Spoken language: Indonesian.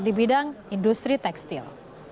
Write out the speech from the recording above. di bidang industri tekstil